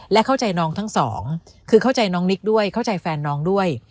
และเข้าใจน้องทั้งสองคือเข้าใจน้องนิกด้วยเข้าใจแฟนน้องด้วย